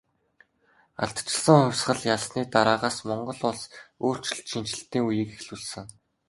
Ардчилсан хувьсгал ялсны дараагаас Монгол улс өөрчлөлт шинэчлэлтийн үеийг эхлүүлсэн.